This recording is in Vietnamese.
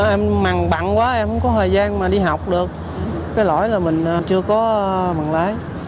em mằn bặng quá em không có thời gian mà đi học được cái lỗi là mình chưa có bằng lái